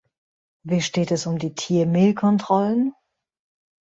Wie steht es um die Tiermehlkontrollen?